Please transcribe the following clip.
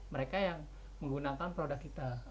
mereka yang menggunakan produk kita